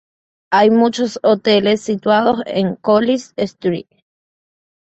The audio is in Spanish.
Hay muchos hoteles situados en Collins Street.